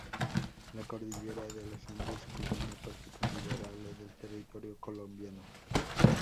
La Cordillera de los Andes cubre una parte considerable del territorio colombiano.